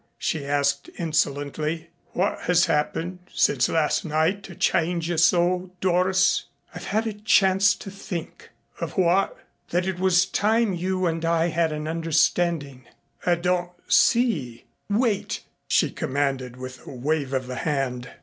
she asked insolently. "What has happened since last night to change you so, Doris?" "I've had a chance to think." "Of what?" "That it was time you and I had an understanding." "I don't see " "Wait!" she commanded, with a wave of the hand.